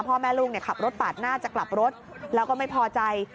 พ่อแม่ลูกขับรถปาดหน้าจะกลับรถแล้วก็ไม่พอใจ